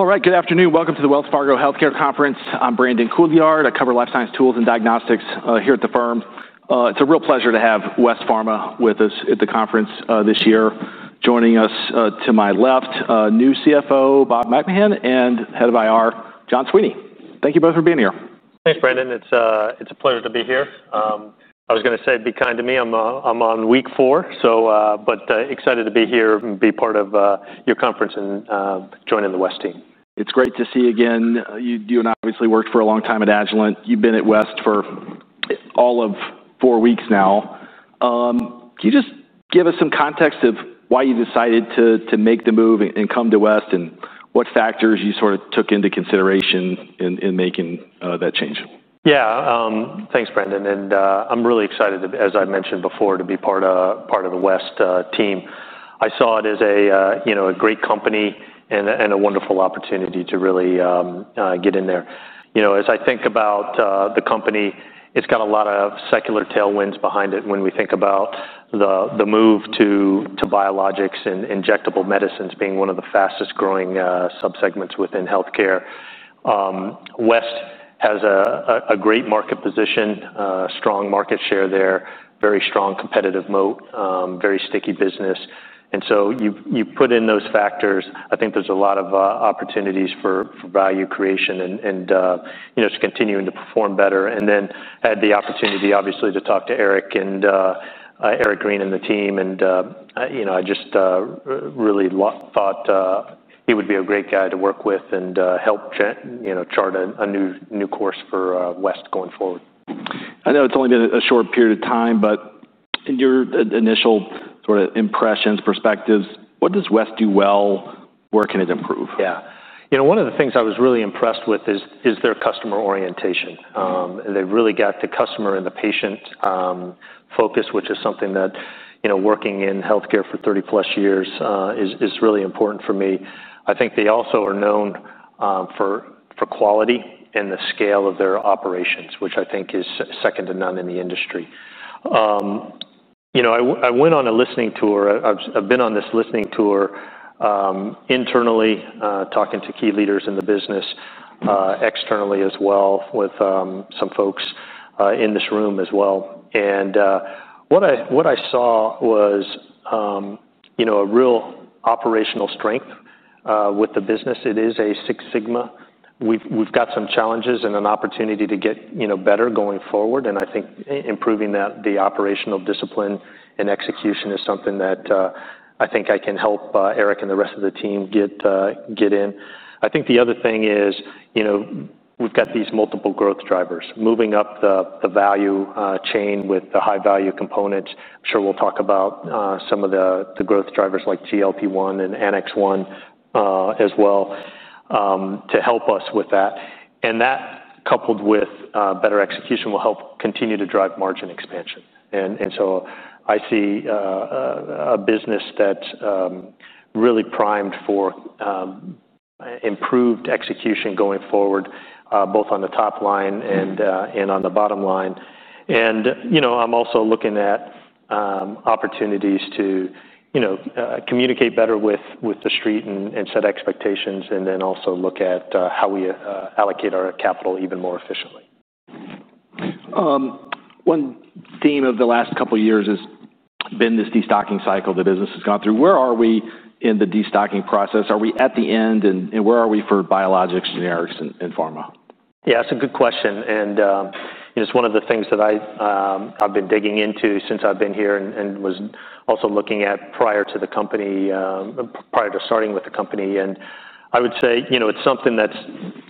All right. Good afternoon. Welcome to the Wells Fargo Healthcare Conference. I'm Brandon Couillard. I cover life science tools and diagnostics here at the firm. It's a real pleasure to have Wes Pharma with us at the conference this year. Joining us to my left, new CFO, Bob McMahon and Head of IR, John Sweeney. Thank you both for being here. Thanks, Brandon. It's a pleasure to be here. I was going say be kind to me. I'm on week four, so but excited to be here and be part of your conference and joining the WES team. It's great to see you again. And obviously worked for a long time at Agilent. You've been at WES for all of four weeks now. Can you just give us some context of why you decided to make the move and come to West? And what factors you sort of took into consideration in making that change? Yes. Thanks, Brendan. And I'm really excited, as I mentioned before, to be part of the West team. I saw it as a great company and a wonderful opportunity to really get in there. As I think about the company, it's got a lot of secular tailwinds behind it when we think about the move to biologics and injectable medicines being one of the fastest growing subsegments within health care. West has a great market position, strong market share there, very strong competitive moat, very sticky business. And so you put in those factors. I think there's a lot of opportunities for value creation and just continuing to perform better. And then had the opportunity, obviously, to talk to Eric and Eric Green and the team. And I just really thought he would be a great guy to work with and help chart a new course for West going forward. I know it's only been a short period of time, but in your initial sort of impressions, perspectives, what does West do well? Where can it improve? Yes. One of the things I was really impressed with is their customer orientation. They've really got the customer and the patient focus, which is something that working in health care for thirty plus years is really important for me. I think they also are known for quality and the scale of their operations, which I think is second to none in the industry. I went on a listening tour. I've been on this listening tour internally, talking to key leaders in the business, externally as well with some folks in this room as well. And what I saw was a real operational strength with the business. It is a Six Sigma. We've got some challenges and an opportunity to get better going forward, and I think improving that the operational discipline and execution is something that I think I can help Eric and the rest of the team get in. I think the other thing is we've got these multiple growth drivers, moving up the value chain with the high value components. I'm sure we'll talk about some of the growth drivers like GLP-one and AnnexOne as well to help us with that. And that, coupled with better execution, will help continue to drive margin expansion. And so I see a business that's really primed for improved execution going forward, both on the top line and on the bottom line. And I'm also looking at opportunities to communicate better with The Street and set expectations and then also look at how we allocate our capital even more efficiently. One theme of the last couple of years has been this destocking cycle the business has gone through. Where are we in the destocking process? Are we at the end? And where are we for biologics, generics and pharma? Yes, it's a good question. And it's one of the things that I've been digging into since I've been here and was also looking at prior to the company prior to starting with the company. And I would say it's something that's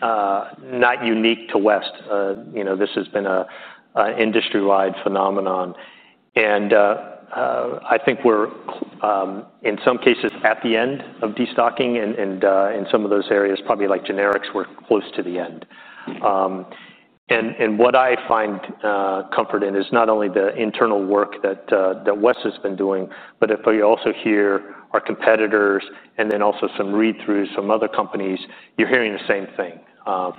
not unique to West. This has been an industry wide phenomenon. And I think we're, in some cases, at the end of destocking. And in some of those areas, probably like generics, we're close to the end. And what I find comfort in is not only the internal work that WES has been doing, but if we also hear our competitors and then also some read throughs from other companies, you're hearing the same thing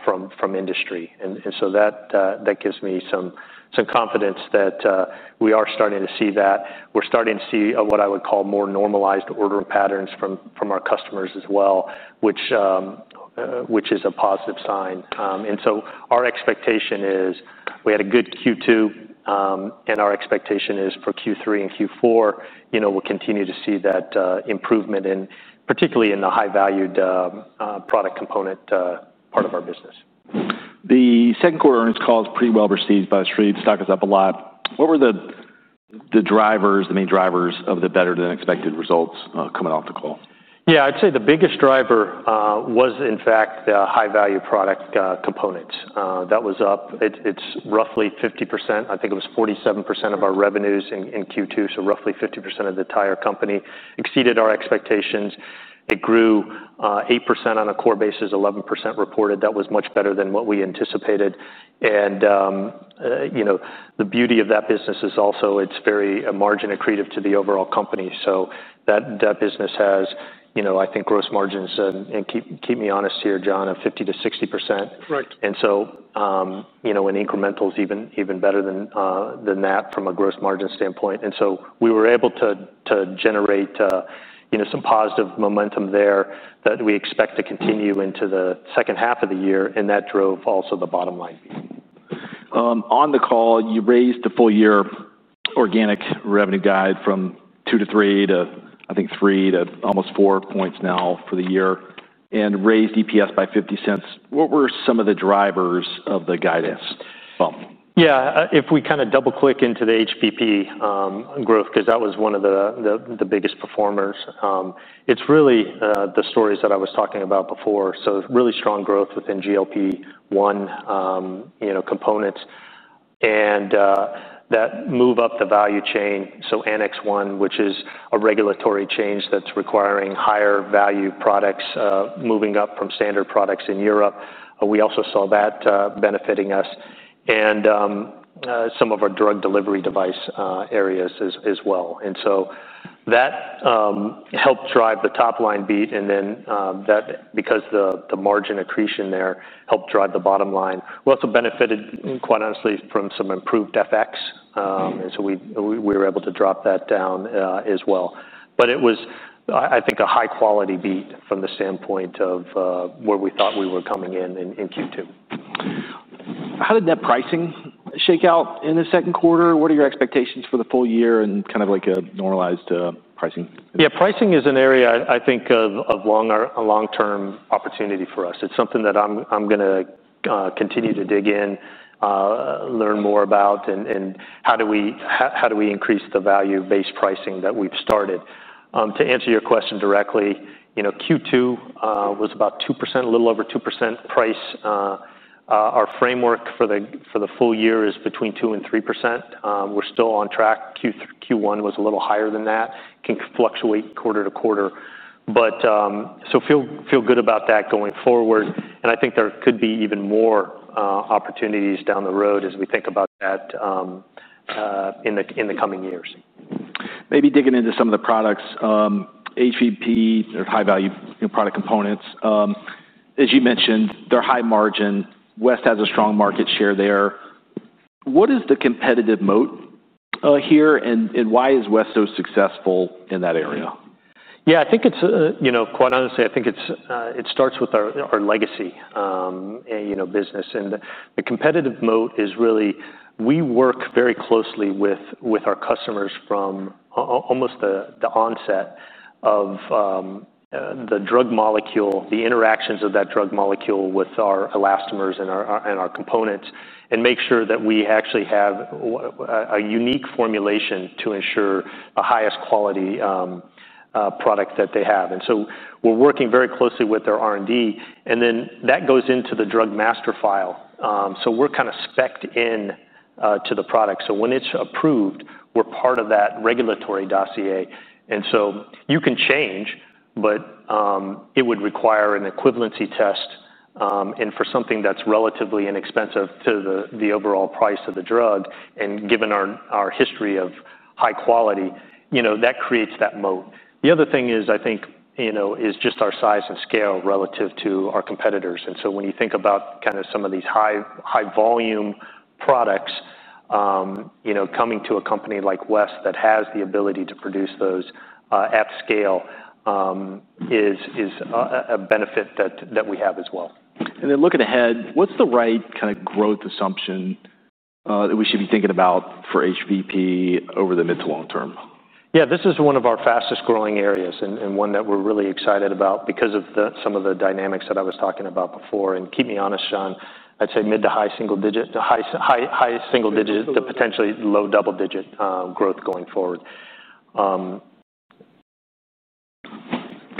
from industry. And so that gives me some confidence that we are starting to see that. We're starting to see what I would call more normalized order patterns from our customers as well, which is a positive sign. And so our expectation is we had a good Q2, and our expectation is for Q3 and Q4, we'll continue to see that improvement in particularly in the high valued product component part of our business. The second quarter earnings call is pretty well received by The Street. Stock is up a lot. What were the drivers, the main drivers of the better than expected results coming off the call? Yes. I'd say the biggest driver was, in fact, the high value product components. That was up. It's roughly 50% I think it was 47% of our revenues in Q2, so roughly 50% of the tire company. Exceeded our expectations. It grew 8% on a core basis, 11% reported. That was much better than what we anticipated. And the beauty of that business is also it's very margin accretive to the overall company. So that business has, I think, gross margins and keep me honest here, John, of 50 to 60%. And and incrementals even better than that from a gross margin standpoint. And so we were able to generate some positive momentum there that we expect to continue into the second half of the year, and that drove also the bottom line. On the call, you raised the full year organic revenue guide from two to three to, I think, three to almost four points now for the year and raised EPS by $0.50 What were some of the drivers of the guidance, bump? Yes. If we kind of double click into the HPP growth because that was one of the biggest performers, it's really the stories that I was talking about before. So really strong growth within GLP-one components and that move up the value chain. So Annex One, which is a regulatory change that's requiring higher value products moving up from standard products in Europe, we also saw that benefiting us, and some of our drug delivery device areas as well. And so that helped drive the top line beat, and then that because the margin accretion there helped drive the bottom line. We also benefited, quite honestly, from some improved FX, and so we were able to drop that down as well. But it was, I think, a high quality beat from the standpoint of where we thought we were coming in, in Q2. How did that pricing shake out in the second quarter? What are your expectations for the full year and kind of like a normalized pricing? Yes. Pricing is an area, I think, of a long term opportunity for us. It's something that I'm going to continue to dig in, learn more about and how do we increase the value based pricing that we've started. To answer your question directly, Q2 was about 2%, a little over 2% price. Our framework for the full year is between 23%. We're still on track. Q1 was a little higher than that. It can fluctuate quarter to quarter. But so feel good about that going forward. And I think there could be even more opportunities down the road as we think about that in the coming years. Maybe digging into some of the products. HVP, their high value product components. As you mentioned, they're high margin. West has a strong market share there. What is the competitive moat here? And why is West so successful in that area? Yes. I think it's quite honestly, I think it starts with our legacy business. And the competitive moat is really we work very closely with our customers from almost the onset of the drug molecule, the interactions of that drug molecule with our elastomers and our components and make sure that we actually have a unique formulation to ensure the highest quality product that they have. And so we're working very closely with their R and D. And then that goes into the drug master file. So we're kind of specked into the product. So when it's approved, we're part of that regulatory dossier. And so you can change, but it would require an equivalency test and for something that's relatively inexpensive to the overall price of the drug. And given our history of high quality, that creates that moat. The other thing is, I think, is just our size and scale relative to our competitors. And so when you think about kind of some of these high volume products, coming to a company like WES that has the ability to produce those at scale is a benefit that we have as well. And then looking ahead, what's the right kind of growth assumption that we should be thinking about for HVP over the mid- long term? Yes. This is one of our fastest growing areas and one that we're really excited about because of the some of the dynamics that I talking about before. And keep me honest, Sean, I'd say mid- to high single digit to high single digit to potentially low double digit growth going forward.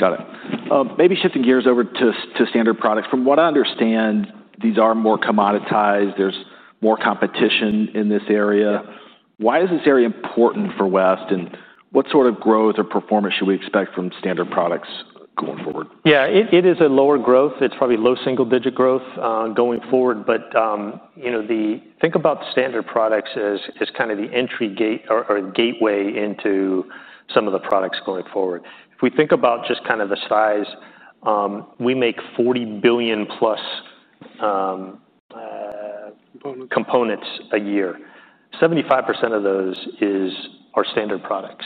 Got it. Maybe shifting gears over to Standard Products. From what I understand, these are more commoditized. There's more competition in this area. Why is this area important for West? And what sort of growth or performance should we expect from Standard Products going forward? Yes. It is a lower growth. It's probably low single digit growth going forward. But the think about standard products as kind of the entry gate or gateway into some of the products going forward. If we think about just kind of the size, we make 40,000,000,000 plus components a year. 75% of those is our standard products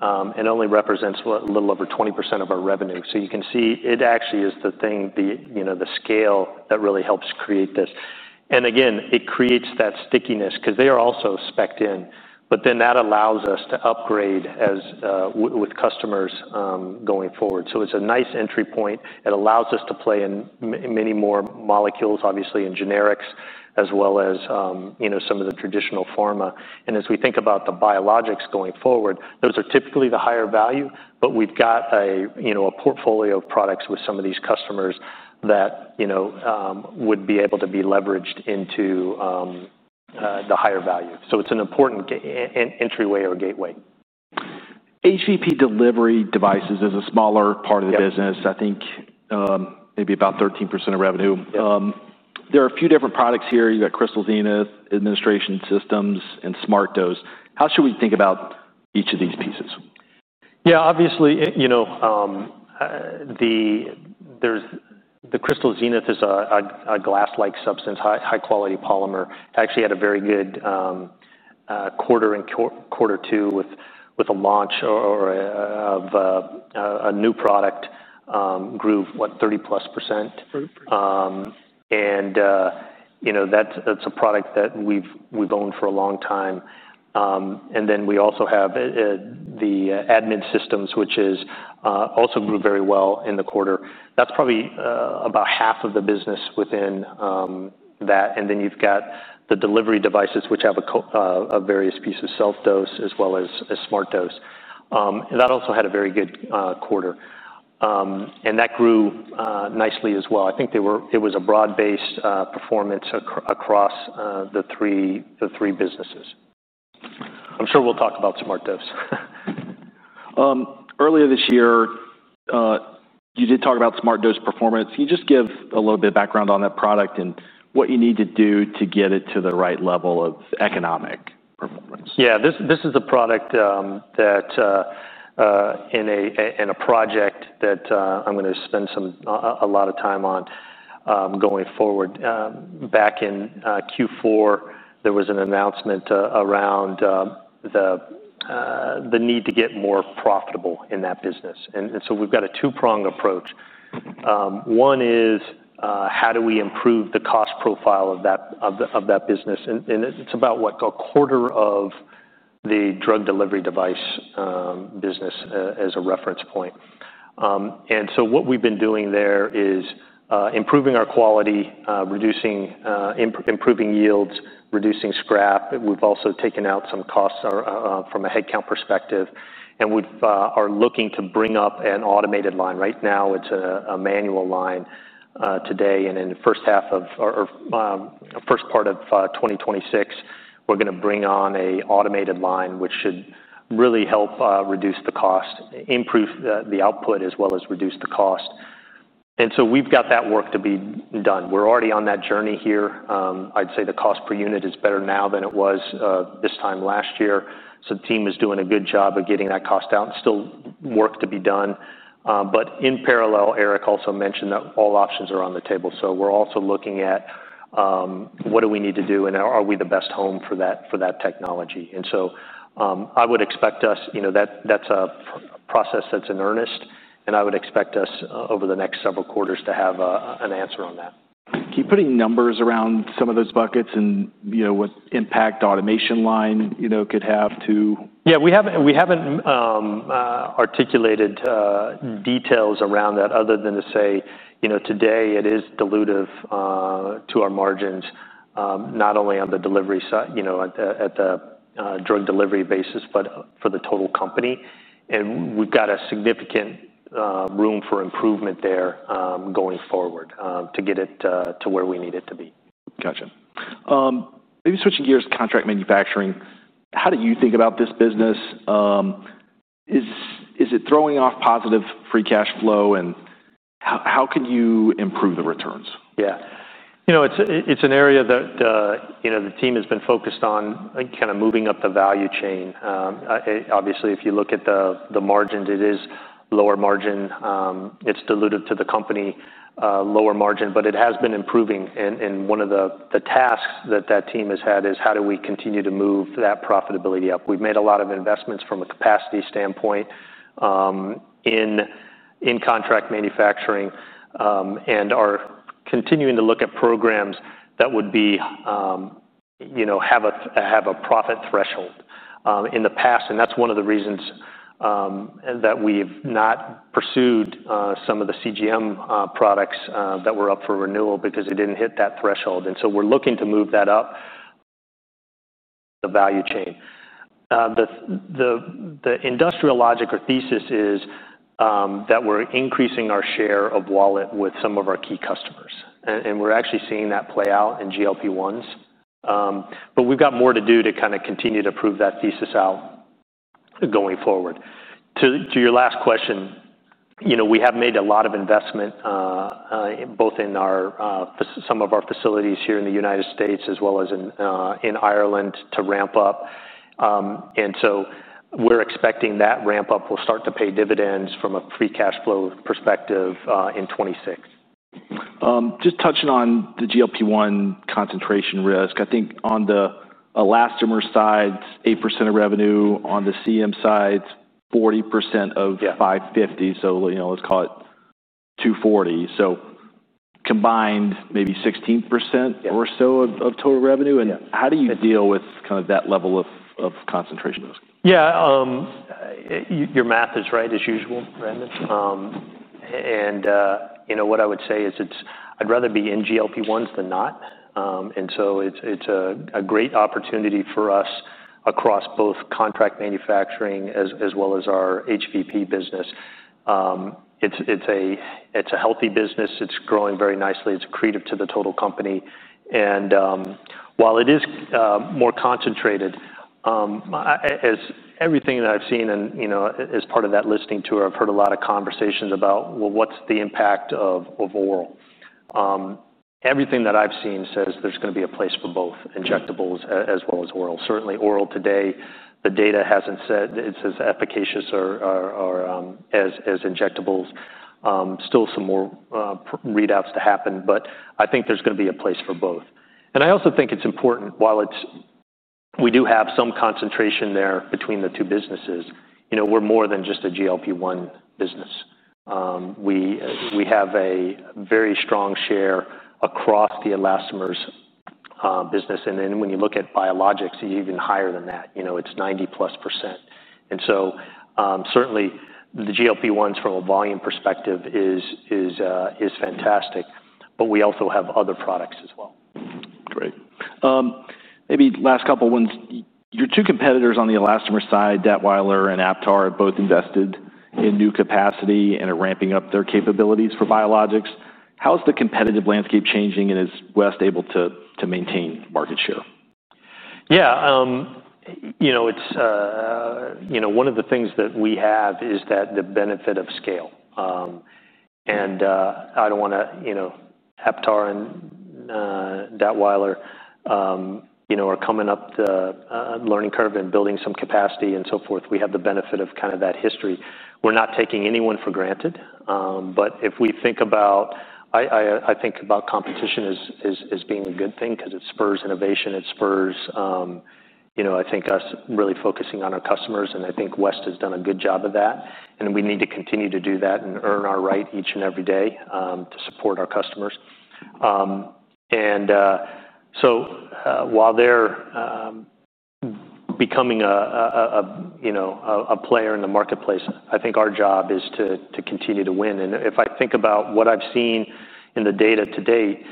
and only represents, what, a little over 20% of our revenue. So you can see it actually is the thing, the scale that really helps create this. And again, it creates that stickiness because they are also speced in, but then that allows us to upgrade as with customers going forward. So it's a nice entry point. It allows us to play in many more molecules, obviously, in generics as well as some of the traditional pharma. And as we think about the biologics going forward, those are typically the higher value, but we've got a portfolio of products with some of these customers that would be able to be leveraged into the higher value. So it's an important entryway or gateway. HVP delivery devices is a smaller part of the business, I think maybe about 13% of revenue. There are a few different products here. You've got CrystalDena administration systems and SmartDose. How should we think about each of these pieces? Yes. Obviously, the there's the Crystal Zenith is a glass like substance, high quality polymer. It actually had a very good quarter in quarter two with a launch or of a new product, grew, what, 30 plus percent. And that's a product that we've owned for a long time. And then we also have the admin systems, which is also grew very well in the quarter. That's probably about half of the business within that. And then you've got the delivery devices, which have a various pieces, self dose as well as smart dose. And that also had a very good quarter. And that grew nicely as well. I think they were it was a broad based performance across the three businesses. I'm sure we'll talk about SmartDose. Earlier this year, you did talk about SmartDose performance. Can you just give a little bit of background on that product and what you need to do to get it to the right level of economic performance? Yes. This is a product that in a project that I'm going to spend some a lot of time on going forward. Back in Q4, there was an announcement around the need to get more profitable in that business. And so we've got a two pronged approach. One is how do we improve the cost profile of that business. And it's about, what, a quarter of the drug delivery device business as a reference point. And so what we've been doing there is improving our quality, reducing improving yields, reducing scrap. We've also taken out some costs from a headcount perspective, and we are looking to bring up an automated line. Right now, it's a manual line today. And in the first half of or 2026, we're going to bring on an automated line, which should really help reduce the cost improve the output as well as reduce the cost. And so we've got that work to be done. We're already on that journey here. I'd say the cost per unit is better now than it was this time last year. So the team is doing a good job of getting that cost out. Still work to be done. But in parallel, Eric also mentioned that all options are on the table. So we're also looking at what do we need to do and are we the best home for that technology. And so I would expect us that's a process that's in earnest, and I would expect us over the next several quarters to have an answer on that. Keep putting numbers around some of those buckets and what impact automation line could have to Yes. We haven't articulated details around that other than to say today, it is dilutive to our margins, not only on the delivery side at the drug delivery basis, but for the total company. And we've got a significant room for improvement there going forward to get it to where we need it to be. Got you. Maybe switching gears to Contract Manufacturing. How do you think about this business? Is it throwing off positive free cash flow? And how can you improve the returns? Yes. It's an area that the team has been focused on kind of moving up the value chain. Obviously, if you look at the margins, it is lower margin. It's dilutive to the company, lower margin, but it has been improving. And one of the tasks that, that team has had is how do we continue to move that profitability up. We've made a lot of investments from a capacity standpoint in contract manufacturing and are continuing to look at programs that would be have a profit threshold in the past, and that's one of the reasons that we've not pursued some of the CGM products that were up for renewal because it didn't hit that threshold. And so we're looking to move that up the value chain. The industrial logic or thesis is that we're increasing our share of wallet with some of our key customers, and we're actually seeing that play out in GLP-1s. But we've got more to do to kind of continue to prove that thesis out going forward. To your last question, we have made a lot of investment both in our some of our facilities here in The United States as well as in Ireland to ramp up. And so we're expecting that ramp up will start to pay dividends from a free cash flow perspective in 'twenty six. Just touching on the GLP-one concentration risk. I think on the elastomer side, 8% of revenue on the Centimeters side, 40% of $550,000,000 So let's call it $240,000,000 So combined, maybe 16% or so of total revenue. And how do you deal with kind of that level of concentration risk? Yes. Your math is right as usual, Brandon. And what I would say is it's I'd rather be in GLP-1s than not. And so it's a great opportunity for us across both contract manufacturing as well as our HVP business. It's a healthy business. It's growing very nicely. It's accretive to the total company. And while it is more concentrated, as everything that I've seen and as part of that listening tour, I've heard a lot of conversations about, well, what's the impact of oral? Everything that I've seen says there's going to be a place for both, injectables as well as oral. Certainly, oral today, the data hasn't said it's as efficacious or as injectables. Still some more readouts to happen, but I think there's going be a place for both. And I also think it's important, while it's we do have some concentration there between the two businesses, we're more than just a GLP-one business. We have a very strong share across the elastomers business. And then when you look at biologics, even higher than that. It's 90 plus percent. And so certainly, the GLP-1s from a volume perspective is fantastic, but we also have other products as well. Great. Maybe last couple of ones. Your two competitors on the elastomer side, Dettweiler and Aptar, both invested in new capacity and are ramping up their capabilities for Biologics. How is the competitive landscape changing? And is West able to maintain market share? Yes. It's one of the things that we have is that the benefit of scale. And I don't want to, you know, Heptar and Dottweiler, you know, are coming up the learning curve and building some capacity and so forth. We have the benefit of kind of that history. We're not taking anyone for granted. But if we think about I think about competition as being a good thing because it spurs innovation. It spurs, I think, us really focusing on our customers, and I think West has done a good job of that. We And need to continue to do that and earn our right each and every day to support our customers. And so while they're becoming a player in the marketplace, I think our job is to continue to win. And if I think about what I've seen in the data to date,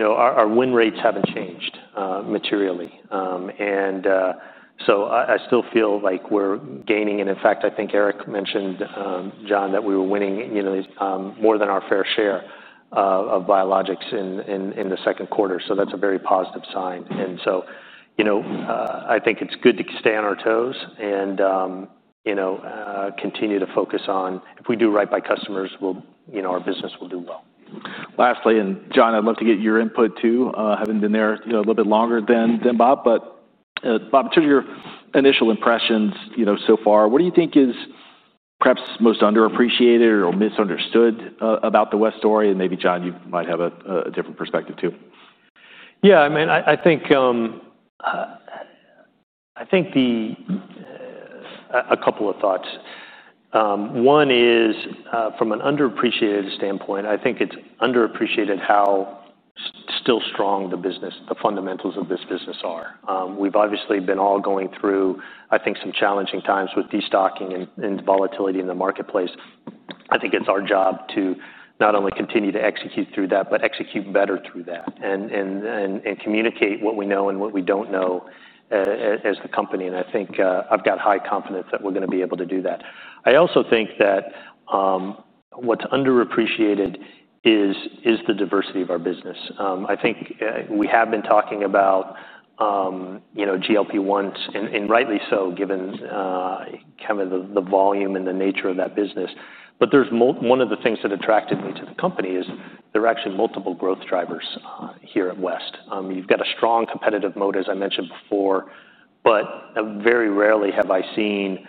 our win rates haven't changed materially. And so I still feel like we're gaining. And in fact, I think Eric mentioned, John, that we were winning more than our fair share of biologics in the second quarter. So that's a very positive sign. And I think it's good to stay on our toes and continue to focus on if we do right by customers, we'll our business will do well. Lastly and John, I'd love to get your input, too, having been there a little bit longer than Bob. But Bob, to your impressions so far, what do you think is perhaps most underappreciated or misunderstood about the West story? And maybe, John, you might have a different perspective, too. Yes. I mean, I think the a couple of thoughts. One is, from an underappreciated standpoint, I think it's underappreciated how still strong the business the fundamentals of this business are. We've obviously been all going through, I think, some challenging times with destocking and volatility in the marketplace. I think it's our job to not only continue to execute through that, but execute better through that and communicate what we know and what we don't know as the company. And I think I've got high confidence that we're going to be able to do that. I also think that what's underappreciated is the diversity of our business. I think we have been talking about GLP-one, and rightly so, given kind of the volume and the nature of that business. But there's one of the things that attracted me to the company is there are actually multiple growth drivers here at West. You've got a strong competitive moat, as I mentioned before, but very rarely have I seen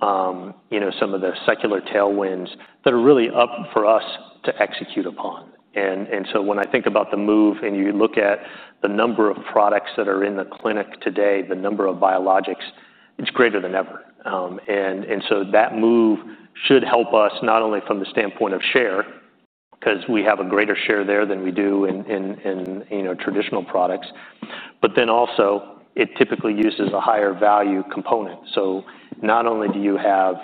some of the secular tailwinds that are really up for us to execute upon. And so when I think about the move and you look at the number of products that are in the clinic today, the number of biologics, it's greater than ever. And so that move should help us not only from the standpoint of share, because we have a greater share there than we do in our traditional products, but then also it typically uses a higher value component. So not only do you have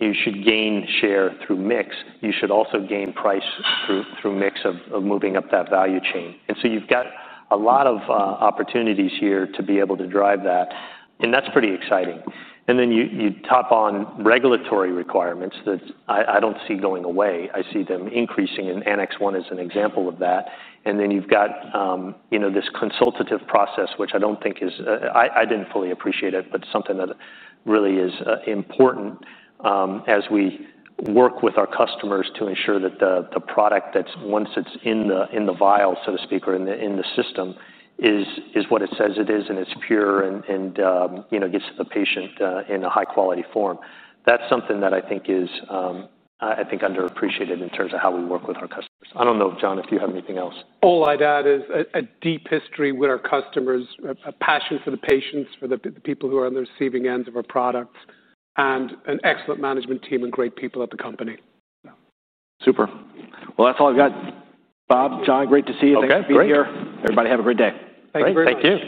you should gain share through mix, you should also gain price through mix of moving up that value chain. And so you've got a lot of opportunities here to be able to drive that, and that's pretty exciting. And then you top on regulatory requirements that I don't see going away. I see them increasing, and Annex One is an example of that. And then you've got this consultative process, which I don't think is I didn't fully appreciate it, but something that really is important as we work with our customers to ensure that the product that's once it's in the vial, so to speak, in the system is what it says it is and it's pure and gets the patient in a high quality form. That's something that I think is, I think, underappreciated in terms of how we work with our customers. I don't know, John, if you have anything else. All I'd add is a deep history with our customers, a passion for the patients, for the people who are on the receiving ends of our products and an excellent management team and great people at the company. Super. Well, that's all I've got. Bob, John, great to see you. Thanks for being here. Everybody, have a great day. Thank you very you.